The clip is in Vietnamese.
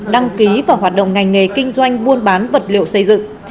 đăng ký và hoạt động ngành nghề kinh doanh buôn bán vật liệu xây dựng